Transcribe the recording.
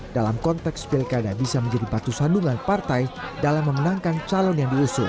dalam konteks pilkada bisa menjadi batu sandungan partai dalam memenangkan calon yang diusung